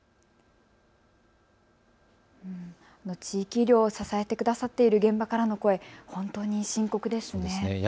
地域医療を支えてくださっている現場からの声、本当に深刻ですね。